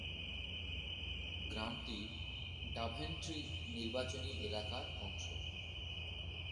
গ্রামটি ডাভেন্ট্রি নির্বাচনী এলাকার অংশ।